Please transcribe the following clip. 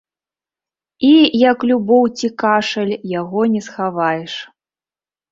І, як любоў ці кашаль, яго не схаваеш.